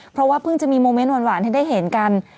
เพราะว่าเพิ่งจะมีโมเมนต์หวานให้ได้เห็นกัน